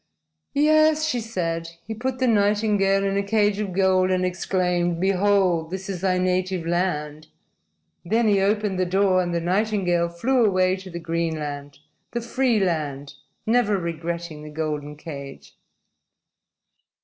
"Yes," she said. "He put the nightingale in a cage of gold and exclaimed: 'Behold, this is thy native land!' Then he opened the door and the nightingale flew away to the green land, the free land, never regretting the golden cage."